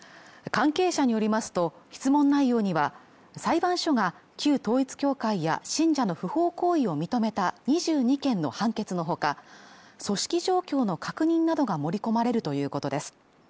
関係者によりますと質問内容には裁判所が旧統一教会や信者の不法行為を認めた２２件の判決のほか組織状況の確認などが盛り込まれるということです